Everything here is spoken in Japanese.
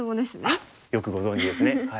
あっよくご存じですね。